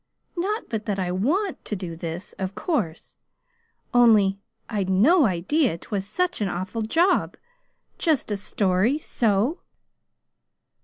Not but that I WANT to do this, of course; only I'd no idea 'twas such an awful job just a story, so!"